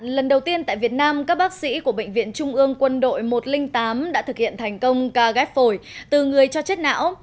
lần đầu tiên tại việt nam các bác sĩ của bệnh viện trung ương quân đội một trăm linh tám đã thực hiện thành công ca ghép phổi từ người cho chết não